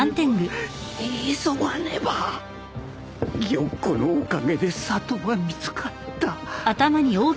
玉壺のおかげで里が見つかった。